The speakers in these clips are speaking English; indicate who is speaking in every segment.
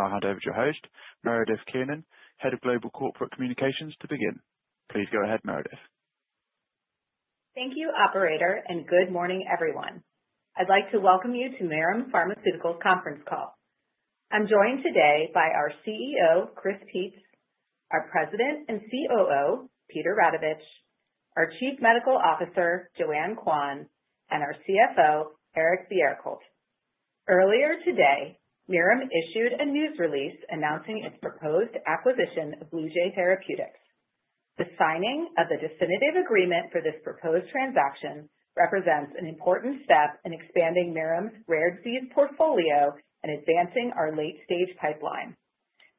Speaker 1: On our handover to host, Meredith Kiernan, Head of Global Corporate Communications, to begin. Please go ahead, Meredith.
Speaker 2: Thank you, Operator, and good morning, everyone. I'd like to welcome you to Mirum Pharmaceuticals' conference call. I'm joined today by our CEO, Chris Peetz, our President and COO, Peter Radovich, our Chief Medical Officer, Joanne Quan, and our CFO, Eric Bjerkholt. Earlier today, Mirum issued a news release announcing its proposed acquisition of Bluejay Therapeutics. The signing of the definitive agreement for this proposed transaction represents an important step in expanding Mirum's rare disease portfolio and advancing our late-stage pipeline.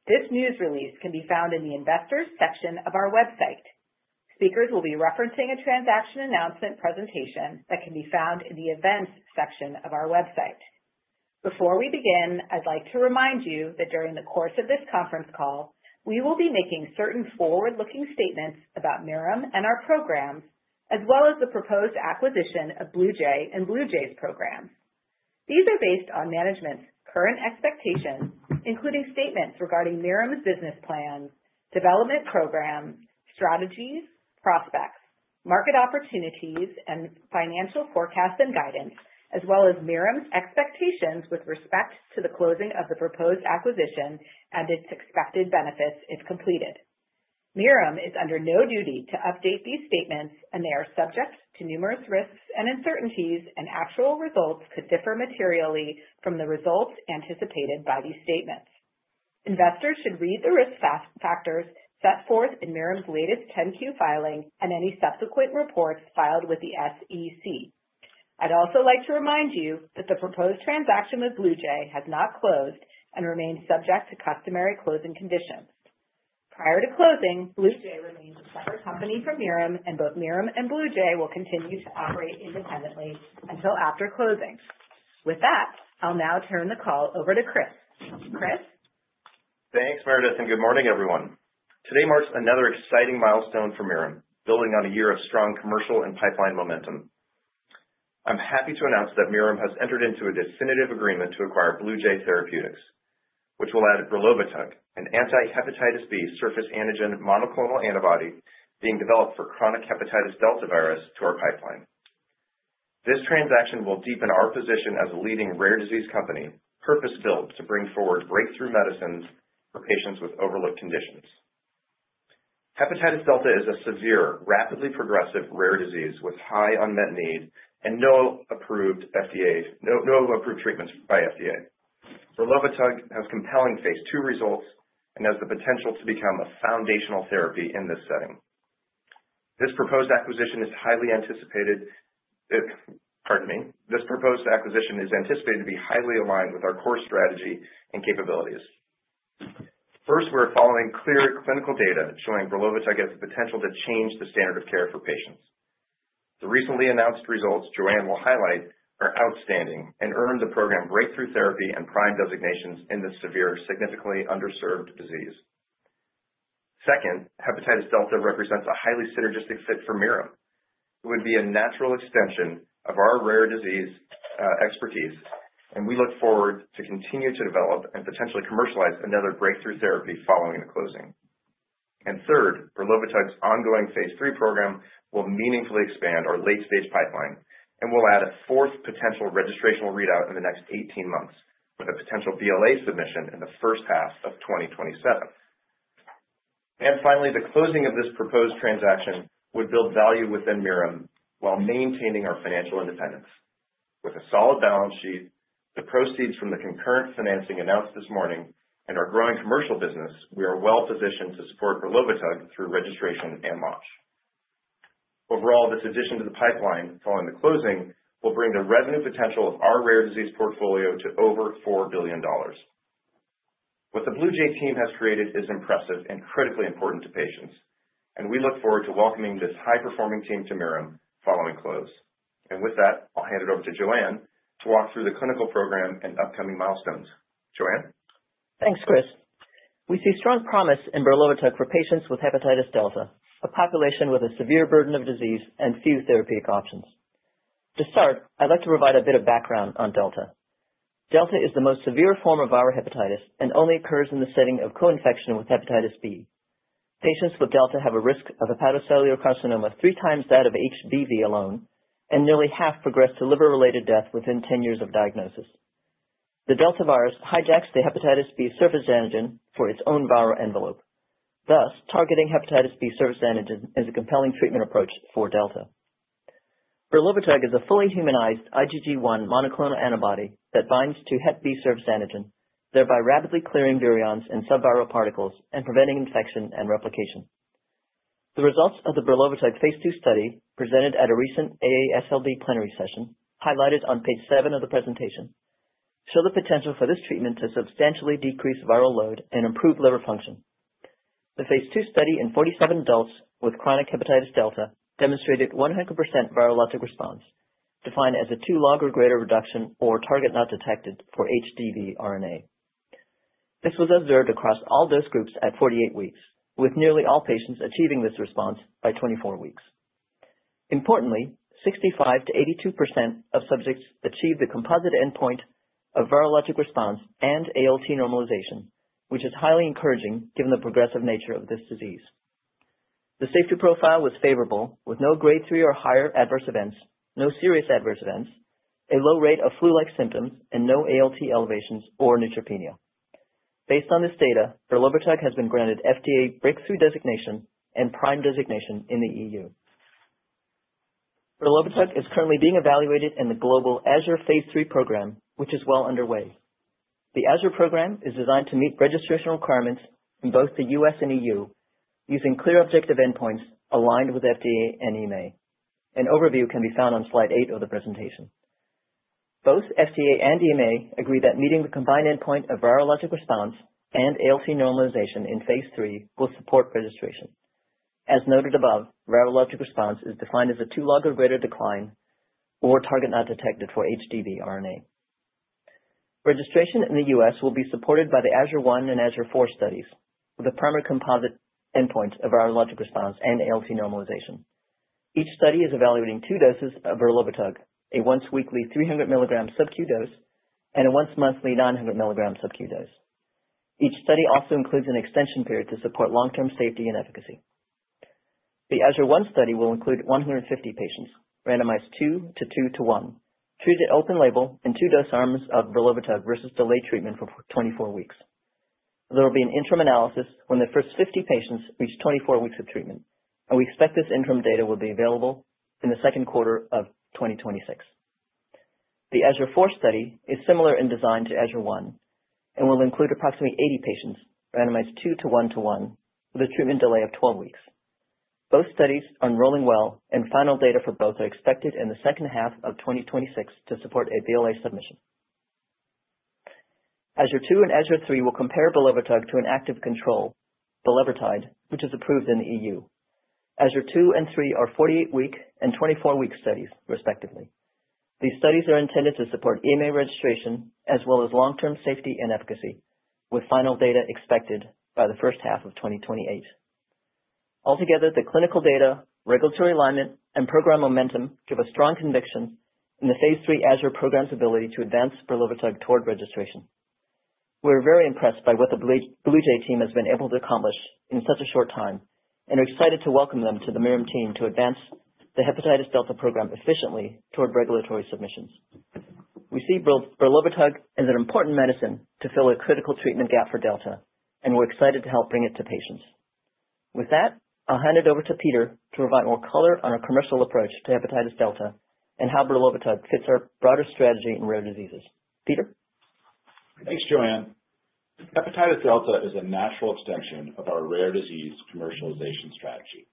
Speaker 2: This news release can be found in the Investors section of our website. Speakers will be referencing a transaction announcement presentation that can be found in the Events section of our website. Before we begin, I'd like to remind you that during the course of this conference call, we will be making certain forward-looking statements about Mirum and our programs, as well as the proposed acquisition of Bluejay and Bluejay's programs. These are based on management's current expectations, including statements regarding Mirum's business plan, development program, strategies, prospects, market opportunities, and financial forecasts and guidance, as well as Mirum's expectations with respect to the closing of the proposed acquisition and its expected benefits if completed. Mirum is under no duty to update these statements, and they are subject to numerous risks and uncertainties, and actual results could differ materially from the results anticipated by these statements. Investors should read the risk factors set forth in Mirum's latest 10-Q filing and any subsequent reports filed with the SEC. I'd also like to remind you that the proposed transaction with Bluejay has not closed and remains subject to customary closing conditions. Prior to closing, Bluejay remains a separate company from Mirum, and both Mirum and Bluejay will continue to operate independently until after closing. With that, I'll now turn the call over to Chris. Chris?
Speaker 3: Thanks, Meredith, and good morning, everyone. Today marks another exciting milestone for Mirum, building on a year of strong commercial and pipeline momentum. I'm happy to announce that Mirum has entered into a definitive agreement to acquire Bluejay Therapeutics, which will add brelovitug, an anti-hepatitis B surface antigen monoclonal antibody being developed for chronic hepatitis delta virus, to our pipeline. This transaction will deepen our position as a leading rare disease company, purpose-built to bring forward breakthrough medicines for patients with overlooked conditions. Hepatitis delta is a severe, rapidly progressive rare disease with high unmet need and no approved treatments by FDA. Brelovitug has compelling phase II results and has the potential to become a foundational therapy in this setting. This proposed acquisition is highly anticipated, pardon me, this proposed acquisition is anticipated to be highly aligned with our core strategy and capabilities. First, we're following clear clinical data showing brelovitug has the potential to change the standard of care for patients. The recently announced results Joanne will highlight are outstanding and earned the program Breakthrough Therapy and PRIME designations in this severe, significantly underserved disease. Second, hepatitis delta represents a highly synergistic fit for Mirum. It would be a natural extension of our rare disease expertise, and we look forward to continuing to develop and potentially commercialize another Breakthrough Therapy following the closing. Third, brelovitug's ongoing phase III program will meaningfully expand our late-stage pipeline and will add a fourth potential registrational readout in the next 18 months, with a potential BLA submission in the first half of 2027. Finally, the closing of this proposed transaction would build value within Mirum while maintaining our financial independence. With a solid balance sheet, the proceeds from the concurrent financing announced this morning, and our growing commercial business, we are well positioned to support brelovitug through registration and launch. Overall, this addition to the pipeline following the closing will bring the revenue potential of our rare disease portfolio to over $4 billion. What the Bluejay team has created is impressive and critically important to patients, and we look forward to welcoming this high-performing team to Mirum following close. And with that, I'll hand it over to Joanne to walk through the clinical program and upcoming milestones. Joanne?
Speaker 4: Thanks, Chris. We see strong promise in brelovitug for patients with hepatitis delta, a population with a severe burden of disease and few therapeutic options. To start, I'd like to provide a bit of background on delta. Delta is the most severe form of viral hepatitis and only occurs in the setting of co-infection with hepatitis B. Patients with delta have a risk of hepatocellular carcinoma three times that of HBV alone, and nearly half progress to liver-related death within 10 years of diagnosis. The delta virus hijacks the hepatitis B surface antigen for its own viral envelope. Thus, targeting hepatitis B surface antigen is a compelling treatment approach for delta. Brelovitug is a fully humanized IgG1 monoclonal antibody that binds to hepatitis B surface antigen, thereby rapidly clearing virions and subviral particles and preventing infection and replication. The results of the brelovitug phase II study presented at a recent AASLD plenary session, highlighted on page seven of the presentation, show the potential for this treatment to substantially decrease viral load and improve liver function. The phase II study in 47 adults with chronic hepatitis delta demonstrated 100% virologic response, defined as a two log or greater reduction or target not detected for HDV RNA. This was observed across all dose groups at 48 weeks, with nearly all patients achieving this response by 24 weeks. Importantly, 65%-82% of subjects achieved the composite endpoint of virologic response and ALT normalization, which is highly encouraging given the progressive nature of this disease. The safety profile was favorable, with no Grade 3 or higher adverse events, no serious adverse events, a low rate of flu-like symptoms, and no ALT elevations or neutropenia. Based on this data, brelovitug has been granted FDA Breakthrough Therapy designation and PRIME designation in the EU. Brelovitug is currently being evaluated in the AZURE phase III program, which is well underway. The AZURE program is designed to meet registration requirements in both the U.S. and EU, using clear objective endpoints aligned with FDA and EMA. An overview can be found on slide eight of the presentation. Both FDA and EMA agree that meeting the combined endpoint of virologic response and ALT normalization in phase III will support registration. As noted above, virologic response is defined as a two log or greater decline or target not detected for HDV RNA. Registration in the U.S. will be supported by the AZURE-1 and AZURE-4 studies, with a primary composite endpoint of virologic response and ALT normalization. Each study is evaluating two doses of brelovitug, a once-weekly 300 mg Sub-Q dose and a once-monthly 900 mg Sub-Q dose. Each study also includes an extension period to support long-term safety and efficacy. The AZURE-1 study will include 150 patients, randomized two to two to one, treated at open label in two dose arms of brelovitug versus delayed treatment for 24 weeks. There will be an interim analysis when the first 50 patients reach 24 weeks of treatment, and we expect this interim data will be available in the second quarter of 2026. The AZURE-4 study is similar in design to AZURE-1 and will include approximately 80 patients, randomized two to one to one, with a treatment delay of 12 weeks. Both studies are enrolling well, and final data for both are expected in the second half of 2026 to support a BLA submission. AZURE-2 and AZURE-3 will compare brelovitug to an active control, bulevirtide, which is approved in the EU. AZURE-2 and AZURE-3 are 48-week and 24-week studies, respectively. These studies are intended to support EMA registration as well as long-term safety and efficacy, with final data expected by the first half of 2028. Altogether, the clinical data, regulatory alignment, and program momentum give a strong conviction in phase III AZURE program's ability to advance brelovitug toward registration. We're very impressed by what the Bluejay team has been able to accomplish in such a short time and are excited to welcome them to the Mirum team to advance the hepatitis delta program efficiently toward regulatory submissions. We see brelovitug as an important medicine to fill a critical treatment gap for delta, and we're excited to help bring it to patients. With that, I'll hand it over to Peter to provide more color on our commercial approach to hepatitis delta and how brelovitug fits our broader strategy in rare diseases. Peter?
Speaker 5: Thanks, Joanne. Hepatitis delta is a natural extension of our rare disease commercialization strategy.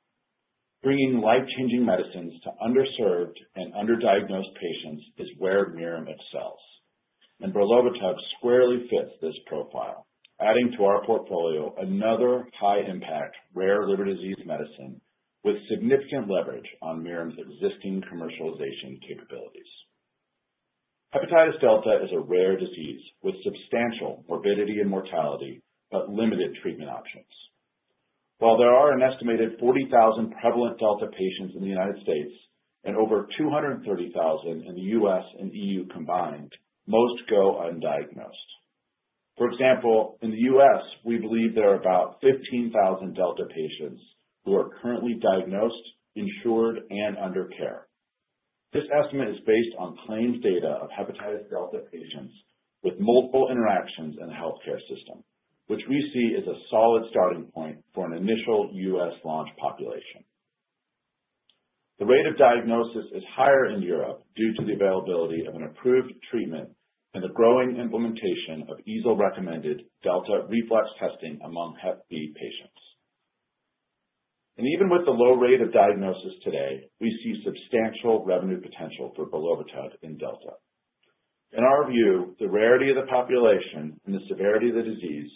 Speaker 5: Bringing life-changing medicines to underserved and underdiagnosed patients is where Mirum excels, and brelovitug squarely fits this profile, adding to our portfolio another high-impact rare liver disease medicine with significant leverage on Mirum's existing commercialization capabilities. Hepatitis delta is a rare disease with substantial morbidity and mortality but limited treatment options. While there are an estimated 40,000 prevalent delta patients in the United States and over 230,000 in the U.S. and EU combined, most go undiagnosed. For example, in the U.S., we believe there are about 15,000 delta patients who are currently diagnosed, insured, and under care. This estimate is based on claimed data of hepatitis delta patients with multiple interactions in the healthcare system, which we see as a solid starting point for an initial U.S. launch population. The rate of diagnosis is higher in Europe due to the availability of an approved treatment and the growing implementation of EASL-recommended delta reflex testing hepatitis B patients. And even with the low rate of diagnosis today, we see substantial revenue potential for brelovitug in delta. In our view, the rarity of the population and the severity of the disease,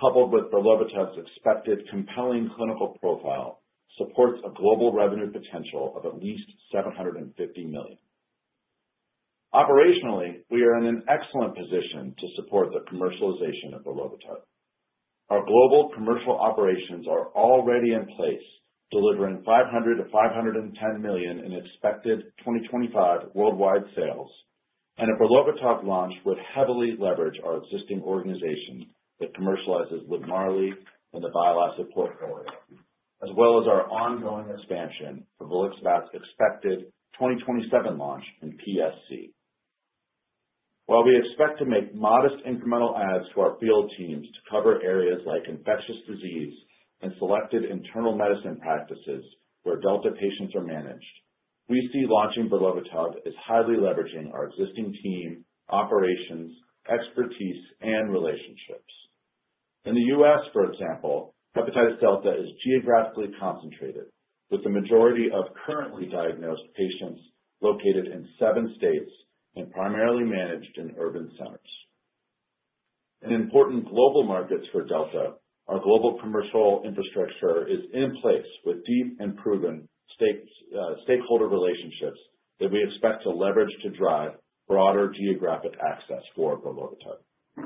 Speaker 5: coupled with brelovitug's expected compelling clinical profile, supports a global revenue potential of at least $750 million. Operationally, we are in an excellent position to support the commercialization of brelovitug. Our global commercial operations are already in place, delivering $500 million-$510 million in expected 2025 worldwide sales, and a brelovitug launch would heavily leverage our existing organization that commercializes LIVMARLI and the bile acid portfolio, as well as our ongoing expansion for volixibat's expected 2027 launch in PSC. While we expect to make modest incremental adds to our field teams to cover areas like infectious disease and selected internal medicine practices where delta patients are managed, we see launching brelovitug as highly leveraging our existing team, operations, expertise, and relationships. In the U.S., for example, hepatitis delta is geographically concentrated, with the majority of currently diagnosed patients located in seven states and primarily managed in urban centers. In important global markets for delta, our global commercial infrastructure is in place with deep and proven stakeholder relationships that we expect to leverage to drive broader geographic access for brelovitug.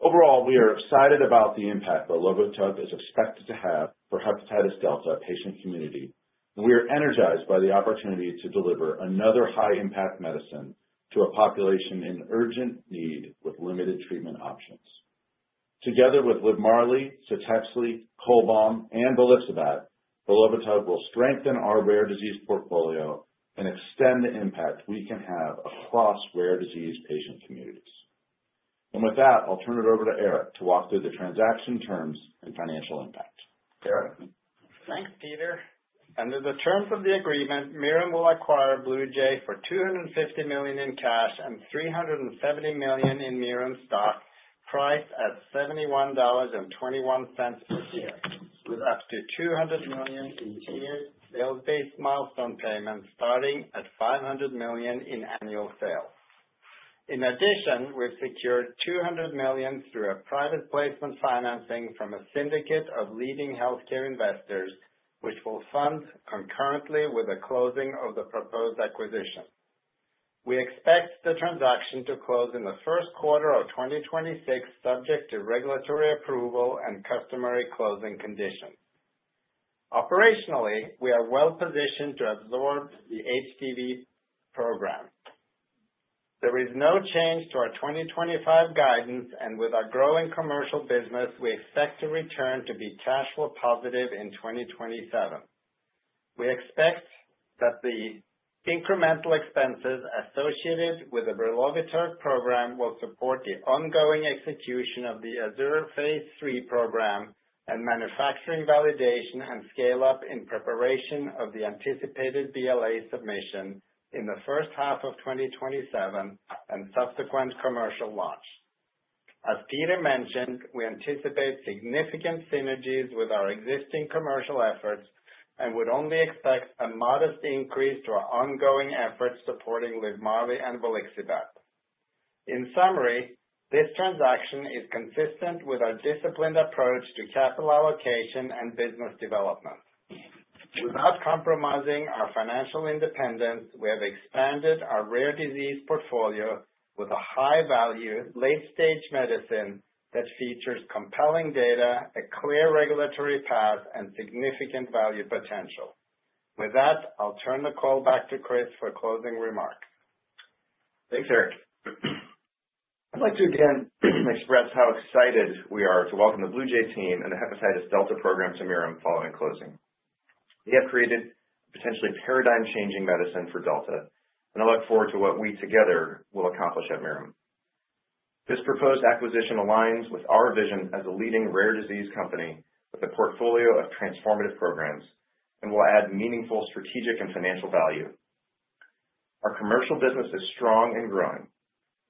Speaker 5: Overall, we are excited about the impact brelovitug is expected to have for hepatitis delta patient community, and we are energized by the opportunity to deliver another high-impact medicine to a population in urgent need with limited treatment options. Together with LIVMARLI, CTEXLI, CHOLBAM, and volixibat, brelovitug will strengthen our rare disease portfolio and extend the impact we can have across rare disease patient communities, and with that, I'll turn it over to Eric to walk through the transaction terms and financial impact. Eric.
Speaker 6: Thanks, Peter. Under the terms of the agreement, Mirum will acquire Bluejay for $250 million in cash and $370 million in Mirum stock, priced at $71.21 per share, with up to $200 million in tiered sales-based milestone payments starting at $500 million in annual sales. In addition, we've secured $200 million through a private placement financing from a syndicate of leading healthcare investors, which will fund concurrently with the closing of the proposed acquisition. We expect the transaction to close in the first quarter of 2026, subject to regulatory approval and customary closing conditions. Operationally, we are well positioned to absorb the HDV program. There is no change to our 2025 guidance, and with our growing commercial business, we expect to return to be cash flow positive in 2027. We expect that the incremental expenses associated with the brelovitug program will support the ongoing execution of AZURE phase III program and manufacturing validation and scale-up in preparation of the anticipated BLA submission in the first half of 2027 and subsequent commercial launch. As Peter mentioned, we anticipate significant synergies with our existing commercial efforts and would only expect a modest increase to our ongoing efforts supporting LIVMARLI and volixibat. In summary, this transaction is consistent with our disciplined approach to capital allocation and business development. Without compromising our financial independence, we have expanded our rare disease portfolio with a high-value, late-stage medicine that features compelling data, a clear regulatory path, and significant value potential. With that, I'll turn the call back to Chris for closing remarks.
Speaker 3: Thanks, Eric. I'd like to again express how excited we are to welcome the Bluejay team and the hepatitis delta program to Mirum following closing. We have created a potentially paradigm-changing medicine for delta, and I look forward to what we together will accomplish at Mirum. This proposed acquisition aligns with our vision as a leading rare disease company with a portfolio of transformative programs and will add meaningful strategic and financial value. Our commercial business is strong and growing.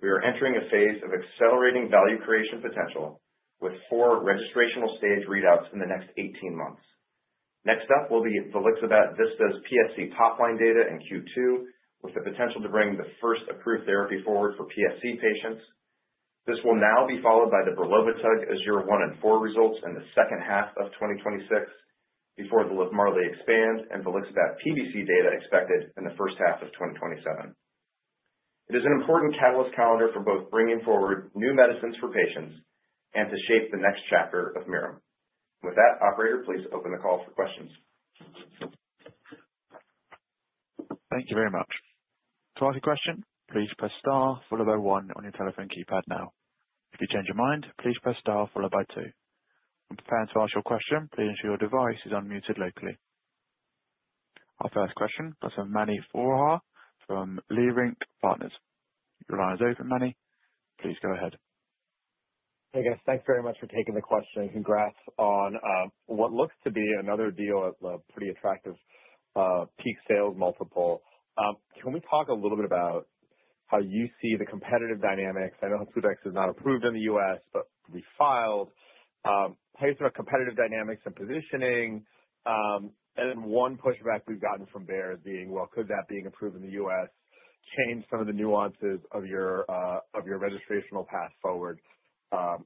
Speaker 3: We are entering a phase of accelerating value creation potential with four registrational stage readouts in the next 18 months. Next up will be volixibat VISTAS PSC top-line data in Q2, with the potential to bring the first approved therapy forward for PSC patients. This will now be followed by the brelovitug AZURE-1 and AZURE-4 results in the second half of 2026 before the LIVMARLI EXPAND and volixibat PBC data expected in the first half of 2027. It is an important catalyst calendar for both bringing forward new medicines for patients and to shape the next chapter of Mirum. With that, Operator, please open the call for questions.
Speaker 1: Thank you very much. To answer your question, please press star followed by one on your telephone keypad now. If you change your mind, please press star followed by two. When preparing to ask your question, please ensure your device is unmuted locally. Our first question comes from Mani Foroohar from Leerink Partners. Your line is open, Mani. Please go ahead.
Speaker 7: Hey, guys. Thanks very much for taking the question. Congrats on what looks to be another deal at a pretty attractive peak sales multiple. Can we talk a little bit about how you see the competitive dynamics? I know Hepcludex is not approved in the U.S., but we filed. How do you see our competitive dynamics and positioning? And then one pushback we've gotten from Baird is, well, could that being approved in the U.S. change some of the nuances of your registrational path forward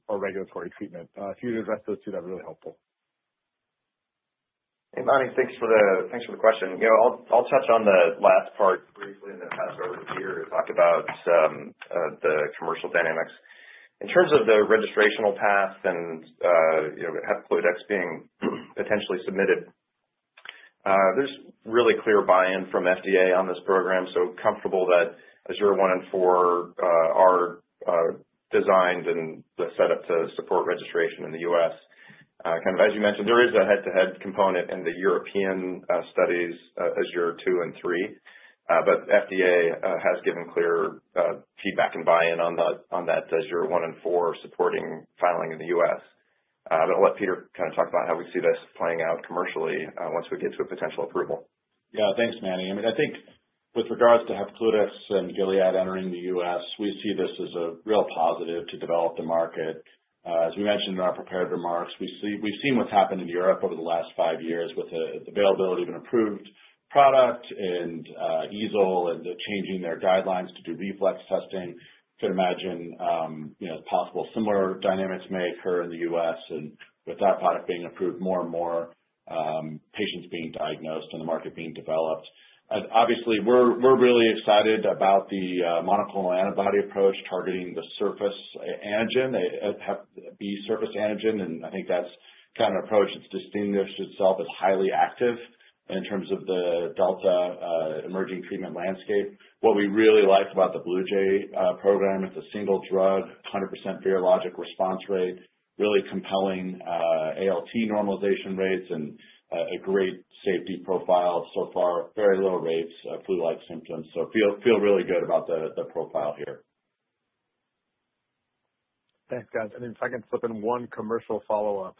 Speaker 7: or regulatory treatment? If you could address those two, that'd be really helpful.
Speaker 3: Hey, Mani. Thanks for the question. I'll touch on the last part briefly and then pass it over to Peter to talk about the commercial dynamics. In terms of the registrational path and Hepcludex being potentially submitted, there's really clear buy-in from FDA on this program. So comfortable that AZURE-1 and AZURE-4 are designed and set up to support registration in the U.S.. Kind of as you mentioned, there is a head-to-head component in the European studies, AZURE-2 and AZURE-3, but FDA has given clear feedback and buy-in on that AZURE-1 and AZURE-4 supporting filing in the U.S.. But I'll let Peter kind of talk about how we see this playing out commercially once we get to a potential approval.
Speaker 5: Yeah. Thanks, Mani. I mean, I think with regards to Hepcludex and Gilead entering the U.S., we see this as a real positive to develop the market. As we mentioned in our prepared remarks, we've seen what's happened in Europe over the last five years with the availability of an approved product and EASL and changing their guidelines to do reflex testing. You could imagine possible similar dynamics may occur in the U.S., and with that product being approved more and more, patients being diagnosed and the market being developed. Obviously, we're really excited about the monoclonal antibody approach targeting the surface antigen, HBsAg, and I think that's kind of an approach that's distinguished itself as highly active in terms of the delta emerging treatment landscape. What we really like about the Bluejay program is the single drug, 100% virologic response rate, really compelling ALT normalization rates, and a great safety profile so far, very low rates of flu-like symptoms. So feel really good about the profile here.
Speaker 7: Thanks, guys. And if I can slip in one commercial follow-up.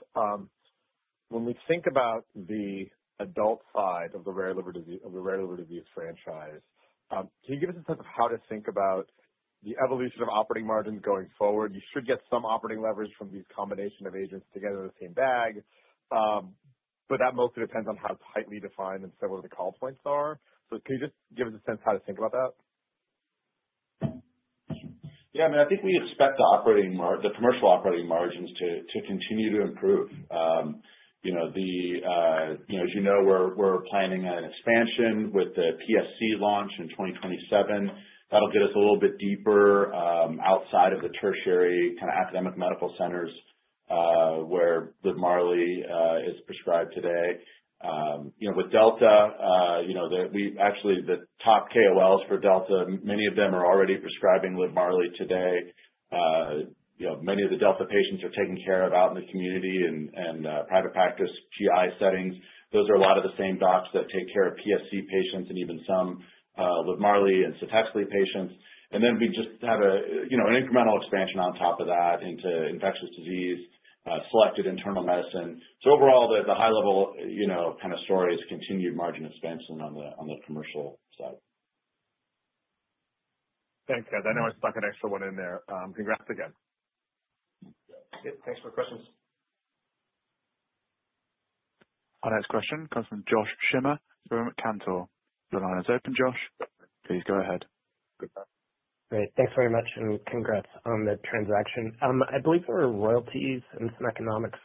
Speaker 7: When we think about the adult side of the rare liver disease franchise, can you give us a sense of how to think about the evolution of operating margins going forward? You should get some operating leverage from these combinations of agents together in the same bag, but that mostly depends on how tightly defined and similar the call points are. So can you just give us a sense of how to think about that?
Speaker 5: Yeah. I mean, I think we expect the commercial operating margins to continue to improve. As you know, we're planning an expansion with the PSC launch in 2027. That'll get us a little bit deeper outside of the tertiary kind of academic medical centers where LIVMARLI is prescribed today. With delta, actually, the top KOLs for delta, many of them are already prescribing LIVMARLI today. Many of the delta patients are taken care of out in the community and private practice GI settings. Those are a lot of the same docs that take care of PSC patients and even some LIVMARLI and CTEXLI patients. And then we just have an incremental expansion on top of that into infectious disease, selected internal medicine. So overall, the high-level kind of story is continued margin expansion on the commercial side.
Speaker 7: Thanks, guys. I know I stuck an extra one in there. Congrats again.
Speaker 3: Thanks for the questions.
Speaker 1: Our next question comes from Josh Schimmer from Cantor. Your line is open, Josh. Please go ahead.
Speaker 8: Great. Thanks very much, and congrats on the transaction. I believe there were royalties and some economics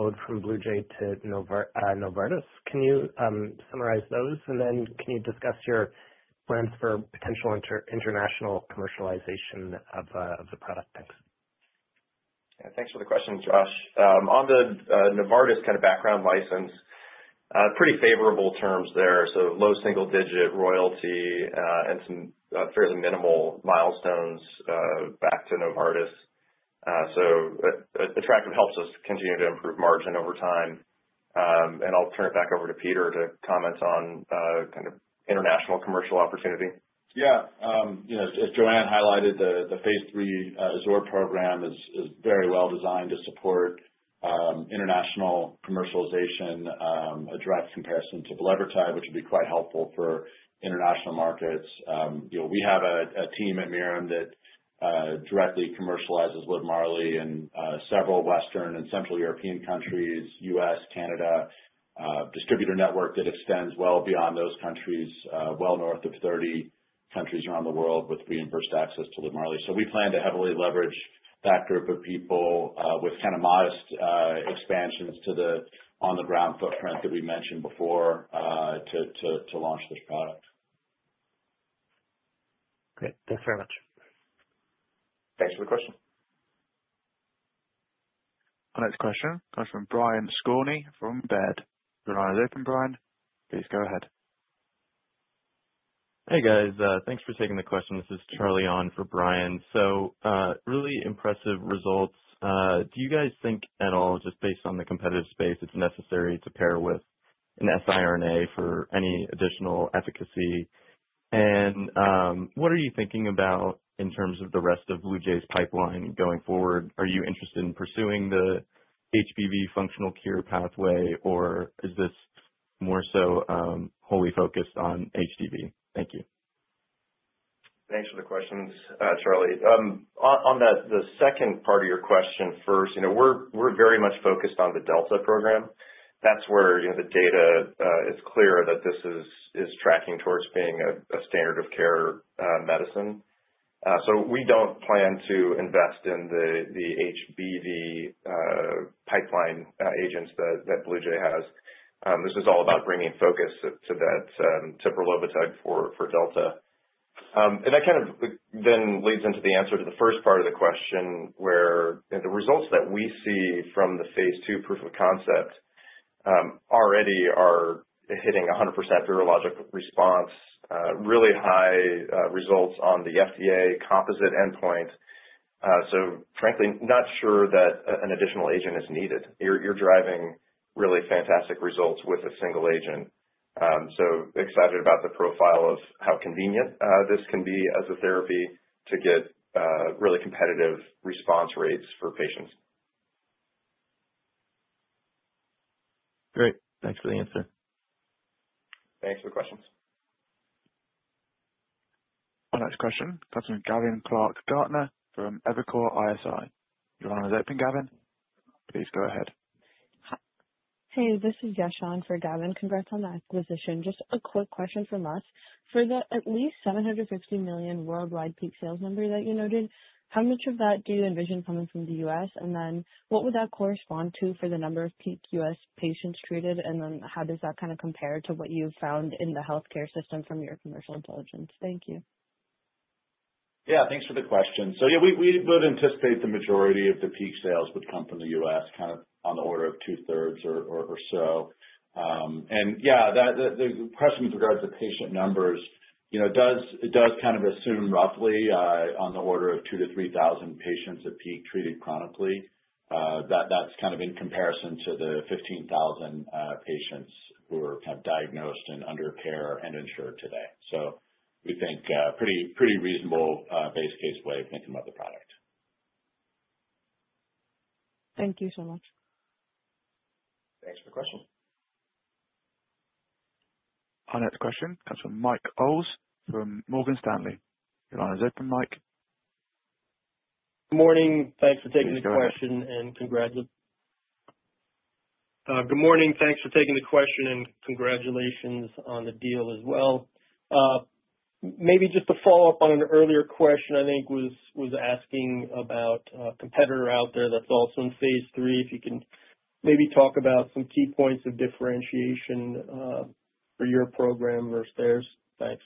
Speaker 8: owed from Bluejay to Novartis. Can you summarize those? And then can you discuss your plans for potential international commercialization of the product? Thanks.
Speaker 3: Yeah. Thanks for the question, Josh. On the Novartis kind of background license, pretty favorable terms there. So low single-digit royalty and some fairly minimal milestones back to Novartis. So attractive helps us continue to improve margin over time. And I'll turn it back over to Peter to comment on kind of international commercial opportunity.
Speaker 5: Yeah. As Joanne highlighted, phase III AZURE program is very well designed to support international commercialization, a direct comparison to brelovitug, which would be quite helpful for international markets. We have a team at Mirum that directly commercializes LIVMARLI in several Western and Central European countries, U.S., Canada, distributor network that extends well beyond those countries, well north of 30 countries around the world with reimbursed access to LIVMARLI. So we plan to heavily leverage that group of people with kind of modest expansions to the on-the-ground footprint that we mentioned before to launch this product.
Speaker 8: Great. Thanks very much.
Speaker 3: Thanks for the question.
Speaker 1: Our next question comes from Brian Skorney from Baird. Your line is open, Brian. Please go ahead.
Speaker 9: Hey, guys. Thanks for taking the question. This is Charlie on for Brian. So really impressive results. Do you guys think at all, just based on the competitive space, it's necessary to pair with an siRNA for any additional efficacy? And what are you thinking about in terms of the rest of Bluejay's pipeline going forward? Are you interested in pursuing the HBV functional cure pathway, or is this more so wholly focused on HDV? Thank you.
Speaker 3: Thanks for the questions, Charlie. On the second part of your question first, we're very much focused on the delta program. That's where the data is clear that this is tracking towards being a standard of care medicine, so we don't plan to invest in the HBV pipeline agents that Bluejay has. This is all about bringing focus to that brelovitug for delta. And that kind of then leads into the answer to the first part of the question where the results that we see from the phase II proof of concept already are hitting 100% virologic response, really high results on the FDA composite endpoint, so frankly, not sure that an additional agent is needed. You're driving really fantastic results with a single agent, so excited about the profile of how convenient this can be as a therapy to get really competitive response rates for patients.
Speaker 9: Great. Thanks for the answer.
Speaker 3: Thanks for the questions.
Speaker 1: Our next question comes from Gavin Clark-Gartner from Evercore ISI. Your line is open, Gavin. Please go ahead. Hey, this is Yashan for Gavin. Congrats on the acquisition. Just a quick question from us. For the at least $750 million worldwide peak sales number that you noted, how much of that do you envision coming from the U.S.? And then what would that correspond to for the number of peak U.S. patients treated? And then how does that kind of compare to what you found in the healthcare system from your commercial intelligence? Thank you.
Speaker 3: Yeah. Thanks for the question. So yeah, we would anticipate the majority of the peak sales would come from the U.S., kind of on the order of 2/3 or so. And yeah, the question with regards to patient numbers, it does kind of assume roughly on the order of 2,000 to 3,000 patients at peak treated chronically. That's kind of in comparison to the 15,000 patients who are kind of diagnosed and under care and insured today. So we think pretty reasonable base case way of thinking about the product. Thank you so much. Thanks for the question.
Speaker 1: Our next question comes from Michael Ulz from Morgan Stanley. Your line is open, Mike.
Speaker 10: Good morning. Thanks for taking the question and congratulations. Good morning. Thanks for taking the question and congratulations on the deal as well. Maybe just to follow up on an earlier question I think was asking about a competitor out there that's also in phase III, if you can maybe talk about some key points of differentiation for your program versus theirs? Thanks.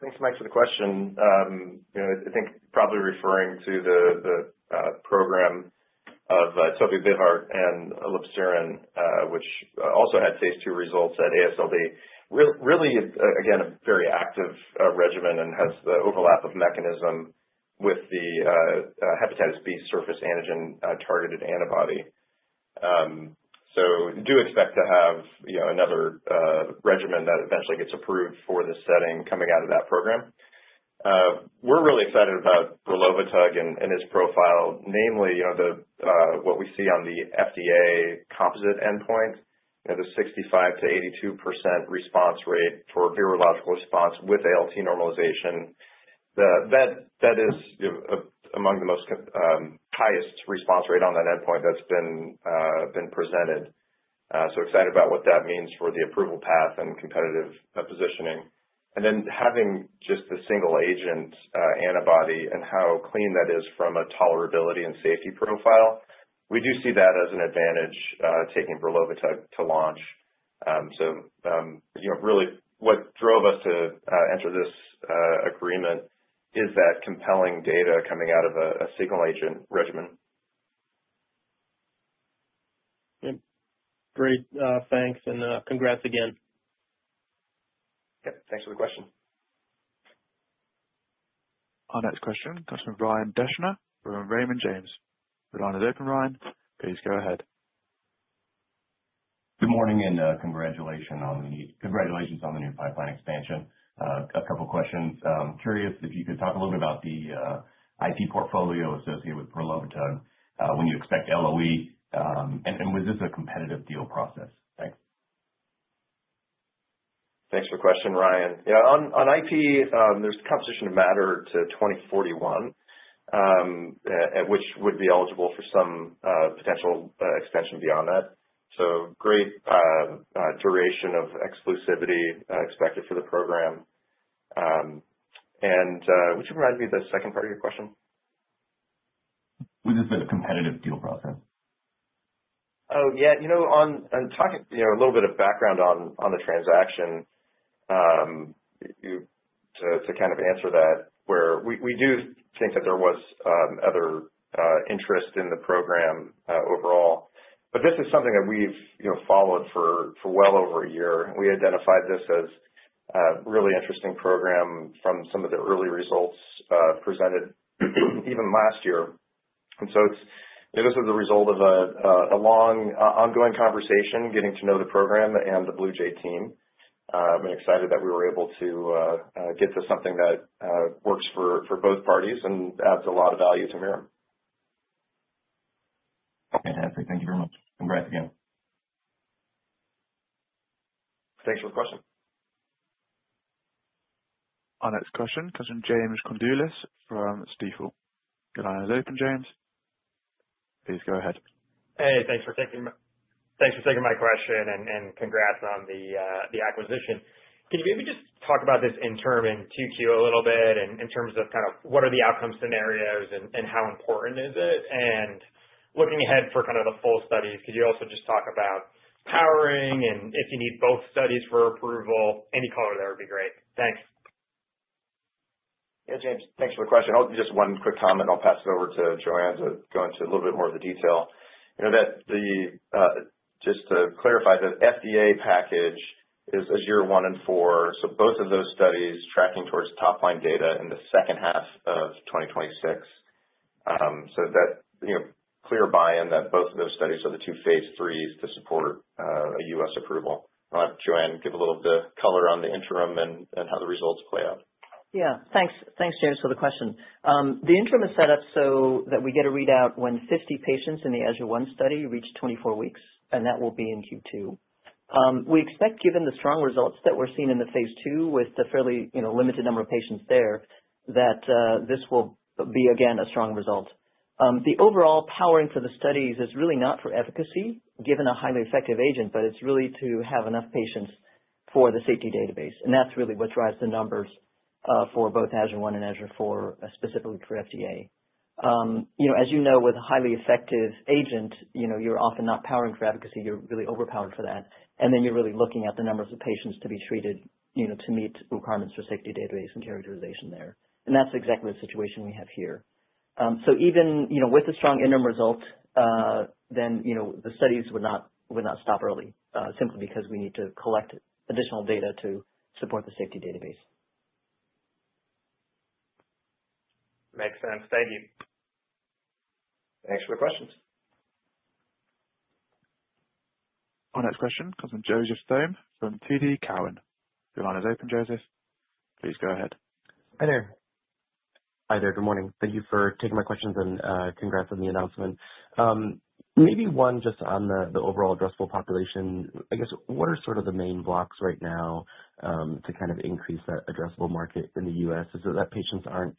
Speaker 3: Thanks, Mike, for the question. I think probably referring to the program of tobevibart and elebsiran, which also had phase II results at AASLD, really, again, a very active regimen and has the overlap of mechanism with the hepatitis B surface antigen targeted antibody. So do expect to have another regimen that eventually gets approved for this setting coming out of that program. We're really excited about brelovitug and its profile, namely what we see on the FDA composite endpoint, the 65%-82% response rate for virologic response with ALT normalization. That is among the most highest response rate on that endpoint that's been presented. So excited about what that means for the approval path and competitive positioning. And then having just the single agent antibody and how clean that is from a tolerability and safety profile, we do see that as an advantage taking brelovitug to launch. So really what drove us to enter this agreement is that compelling data coming out of a single agent regimen.
Speaker 10: Great. Thanks, and congrats again.
Speaker 3: Yeah. Thanks for the question.
Speaker 1: Our next question comes from Ryan Deschner from Raymond James. Your line is open, Ryan. Please go ahead.
Speaker 11: Good morning and congratulations on the new pipeline expansion. A couple of questions. Curious if you could talk a little bit about the IP portfolio associated with brelovitug when you expect LOE, and was this a competitive deal process? Thanks.
Speaker 3: Thanks for the question, Ryan. Yeah. On IP, there's composition of matter to 2041, which would be eligible for some potential extension beyond that. So great duration of exclusivity expected for the program. And would you remind me of the second part of your question?
Speaker 11: Was this a competitive deal process?
Speaker 3: Oh, yeah. On talking a little bit of background on the transaction, to kind of answer that, where we do think that there was other interest in the program overall, but this is something that we've followed for well over a year. We identified this as a really interesting program from some of the early results presented even last year, and so this is the result of a long ongoing conversation, getting to know the program and the Bluejay team. I'm excited that we were able to get to something that works for both parties and adds a lot of value to Mirum.
Speaker 11: Fantastic. Thank you very much. Congrats again.
Speaker 3: Thanks for the question.
Speaker 1: Our next question comes from James Condulis from Stifel. Your line is open, James. Please go ahead.
Speaker 12: Hey, thanks for taking my question and congrats on the acquisition. Can you maybe just talk about this interim in Q2 a little bit and in terms of kind of what are the outcome scenarios and how important is it, and looking ahead for kind of the full studies, could you also just talk about powering and if you need both studies for approval, any color of that would be great. Thanks.
Speaker 3: Yeah, James, thanks for the question. Just one quick comment, and I'll pass it over to Joanne to go into a little bit more of the detail. Just to clarify, the FDA package is AZURE-1 and AZURE-4. So both of those studies are tracking towards top-line data in the second half of 2026. So clear buy-in that both of those studies are the two phase IIIs to support a U.S. approval. I'll have Joanne give a little bit of color on the interim and how the results play out.
Speaker 4: Yeah. Thanks, James, for the question. The interim is set up so that we get a readout when 50 patients in the AZURE-1 study reach 24 weeks, and that will be in Q2. We expect, given the strong results that we're seeing in the phase II with the fairly limited number of patients there, that this will be, again, a strong result. The overall powering for the studies is really not for efficacy, given a highly effective agent, but it's really to have enough patients for the safety database. And that's really what drives the numbers for both AZURE-1 and AZURE-4, specifically for FDA. As you know, with a highly effective agent, you're often not powering for efficacy. You're really overpowered for that. And then you're really looking at the numbers of patients to be treated to meet requirements for safety database and characterization there. And that's exactly the situation we have here. So even with a strong interim result, then the studies would not stop early simply because we need to collect additional data to support the safety database.
Speaker 12: Makes sense. Thank you.
Speaker 3: Thanks for the questions.
Speaker 1: Our next question comes from Joseph Thome from TD Cowen. Your line is open, Joseph. Please go ahead.
Speaker 13: Hi there. Hi there. Good morning. Thank you for taking my questions and congrats on the announcement. Maybe one just on the overall addressable population. I guess what are sort of the main blocks right now to kind of increase that addressable market in the U.S.? Is it that patients aren't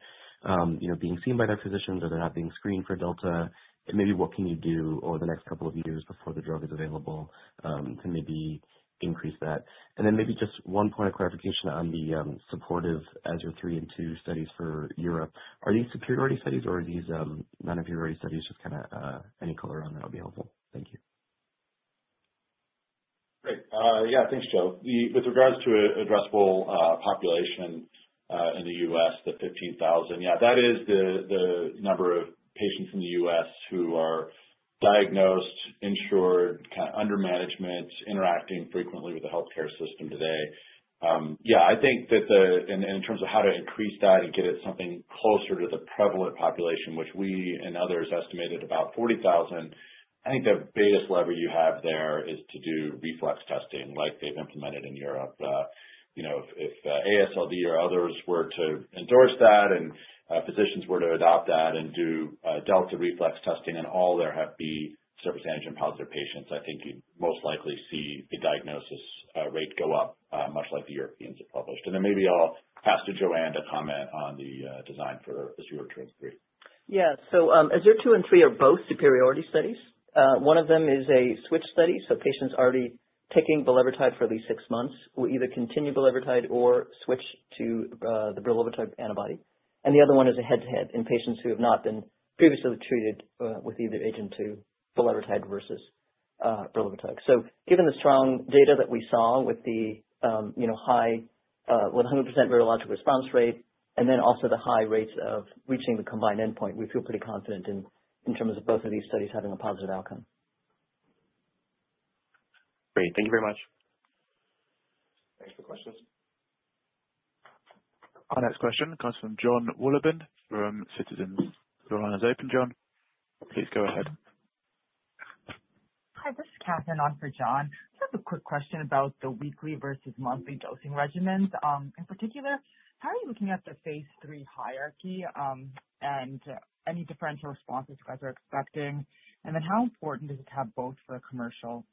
Speaker 13: being seen by their physicians or they're not being screened for delta? And maybe what can you do over the next couple of years before the drug is available to maybe increase that? And then maybe just one point of clarification on the supportive AZURE-3 and AZURE-2 studies for Europe. Are these superiority studies or are these non-superiority studies? Just kind of any color on that would be helpful. Thank you.
Speaker 3: Great. Yeah. Thanks, Joe. With regards to addressable population in the U.S., the 15,000, yeah, that is the number of patients in the U.S. who are diagnosed, insured, kind of under management, interacting frequently with the healthcare system today. Yeah, I think that in terms of how to increase that and get it something closer to the prevalent population, which we and others estimated about 40,000, I think the biggest lever you have there is to do reflex testing like they've implemented in Europe. If AASLD or others were to endorse that and physicians were to adopt that and do delta reflex testing and hepatitis B surface antigen positive patients, I think you'd most likely see the diagnosis rate go up, much like the Europeans have published. And then maybe I'll pass to Joanne to comment on the design for AZURE-2 and AZURE-3.
Speaker 4: Yeah. So AZURE-2 and AZURE-3 are both superiority studies. One of them is a switch study. So patients already taking bulevirtide for at least six months will either continue bulevirtide or switch to the brelovitug antibody. And the other one is a head-to-head in patients who have not been previously treated with either agent, too, brelovitug versus bulevirtide. So given the strong data that we saw with the high 100% virologic response rate and then also the high rates of reaching the combined endpoint, we feel pretty confident in terms of both of these studies having a positive outcome.
Speaker 13: Great. Thank you very much.
Speaker 3: Thanks for the questions.
Speaker 1: Our next question comes from Jon Wolleben from Citizens. Your line is open, Jon. Please go ahead.
Speaker 14: Hi, this is Catherine on for Jon. Just have a quick question about the weekly versus monthly dosing regimens. In particular, how are you looking at the phase III hierarchy and any differential responses you guys are expecting? And then how important is it to have both for a commercial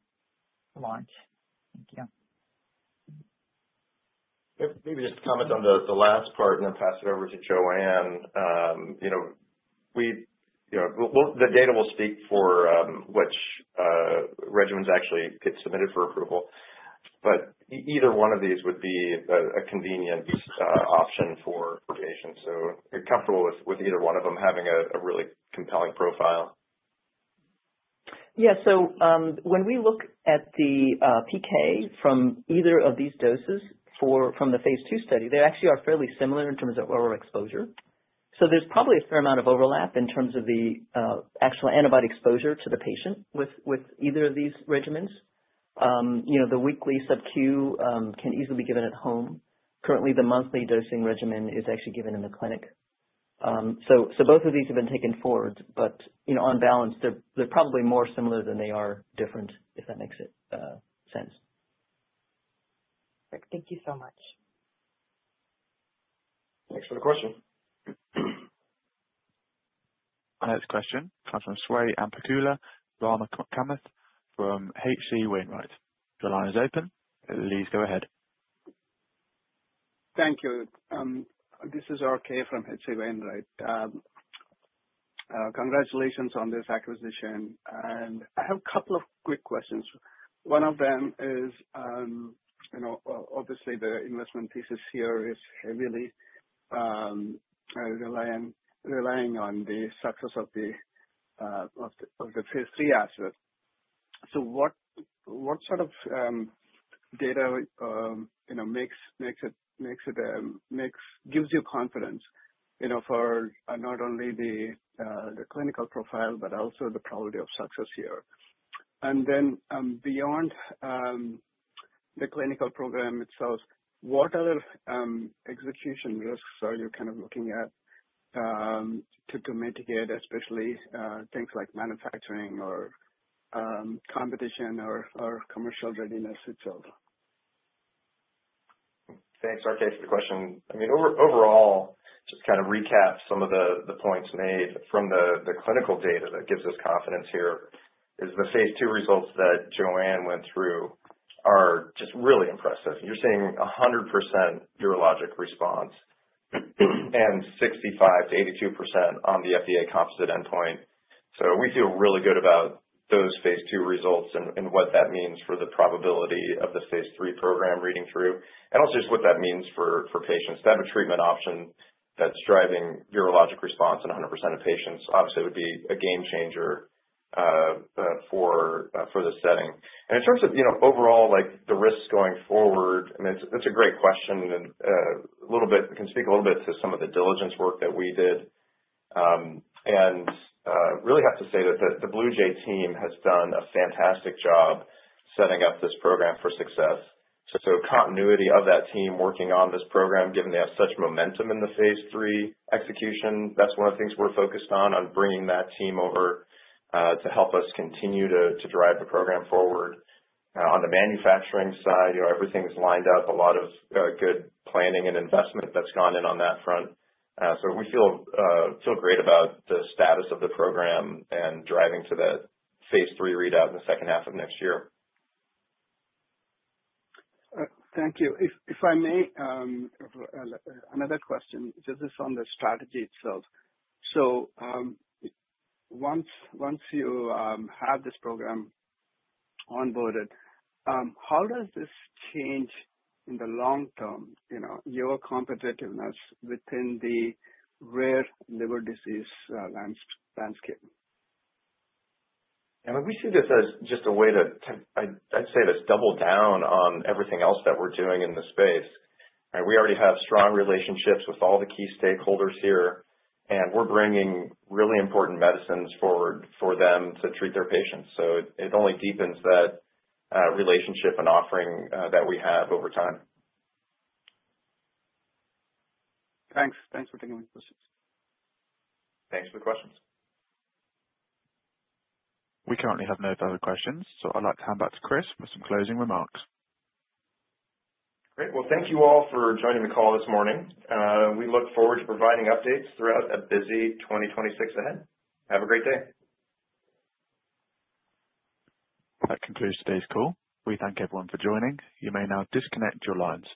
Speaker 14: launch? Thank you.
Speaker 3: Maybe just to comment on the last part and then pass it over to Joanne. The data will speak for which regimens actually get submitted for approval. But either one of these would be a convenient option for patients. So you're comfortable with either one of them having a really compelling profile.
Speaker 4: Yeah. So when we look at the PK from either of these doses from the phase II study, they actually are fairly similar in terms of overall exposure. So there's probably a fair amount of overlap in terms of the actual antibody exposure to the patient with either of these regimens. The weekly Sub-Q can easily be given at home. Currently, the monthly dosing regimen is actually given in the clinic. So both of these have been taken forward. But on balance, they're probably more similar than they are different, if that makes sense.
Speaker 14: Great. Thank you so much.
Speaker 3: Thanks for the question.
Speaker 1: Our next question comes from Swayampakula Ramakanth from H.C. Wainwright. Your line is open. Please go ahead.
Speaker 15: Thank you. This is RK from H.C. Wainwright. Congratulations on this acquisition. And I have a couple of quick questions. One of them is, obviously, the investment thesis here is heavily relying on the success of the phase III asset. So what sort of data gives you confidence for not only the clinical profile, but also the probability of success here? And then beyond the clinical program itself, what other execution risks are you kind of looking at to mitigate, especially things like manufacturing or competition or commercial readiness itself?
Speaker 3: Thanks, RK, for the question. I mean, overall, just kind of recap some of the points made from the clinical data that gives us confidence here is the phase II results that Joanne went through are just really impressive. You're seeing 100% virologic response and 65%-82% on the FDA composite endpoint. So we feel really good about those phase II results and what that means for the probability of the phase III program reading through. And also just what that means for patients to have a treatment option that's driving virologic response in 100% of patients, obviously, would be a game changer for the setting. And in terms of overall, the risks going forward, I mean, that's a great question. We can speak a little bit to some of the diligence work that we did. Really have to say that the Bluejay team has done a fantastic job setting up this program for success. Continuity of that team working on this program, given they have such momentum in the phase III execution, that's one of the things we're focused on, on bringing that team over to help us continue to drive the program forward. On the manufacturing side, everything's lined up. A lot of good planning and investment that's gone in on that front. We feel great about the status of the program and driving to that phase III readout in the second half of next year.
Speaker 15: Thank you. If I may, another question, just on the strategy itself. So once you have this program onboarded, how does this, in the long term, change your competitiveness within the rare liver disease landscape?
Speaker 3: Yeah. We see this as just a way to, I'd say, just double down on everything else that we're doing in the space. We already have strong relationships with all the key stakeholders here, and we're bringing really important medicines forward for them to treat their patients. So it only deepens that relationship and offering that we have over time.
Speaker 15: Thanks. Thanks for taking my questions.
Speaker 3: Thanks for the questions.
Speaker 1: We currently have no further questions. So I'd like to hand back to Chris with some closing remarks.
Speaker 3: Great. Well, thank you all for joining the call this morning. We look forward to providing updates throughout a busy 2026 ahead. Have a great day.
Speaker 1: That concludes today's call. We thank everyone for joining. You may now disconnect your lines.